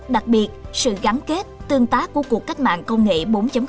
đặc biệt sự gắn kết tương tác của cuộc cách mạng công nghệ bốn